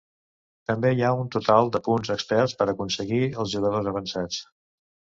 També hi ha un total de punts experts per aconseguir els jugadors avançats.